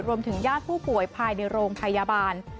ญาติผู้ป่วยภายในโรงพยาบาล